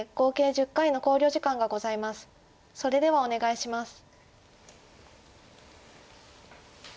それではお願いします。